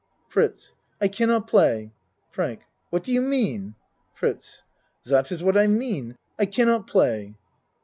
FRITZ I cannot play. FRANK What do you mean? FRITZ Dot is what I mean. I cannot play.